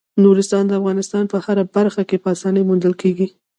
نورستان د افغانستان په هره برخه کې په اسانۍ موندل کېږي.